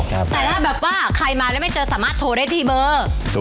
แต่ถ้าแบบว่าใครมาแล้วไม่เจอสามารถโทรได้ที่เบอร์๐